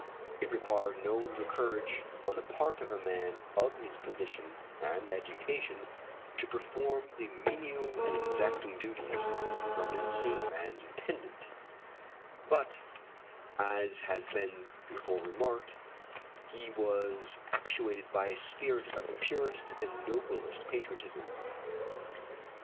It required no little courage on the part of a man of his position and education to perform the menial and exacting duties of an insane man's attendant; but, as has been before remarked, he was actuated by a spirit of the purest and noblest patriotism.